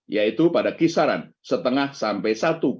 yaitu pada kisaran setengah sampai satu tiga miliar dolar as